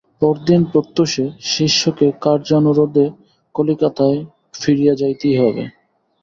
পরদিন প্রত্যুষে শিষ্যকে কার্যানুরোধে কলিকাতায় ফিরিয়া যাইতেই হইবে।